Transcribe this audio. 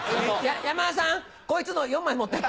山田さんこいつの４枚持ってって。